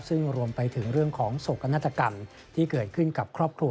ซึ่งรวมไปถึงเรื่องของโศกนาฏกรรมที่เกิดขึ้นกับครอบครัว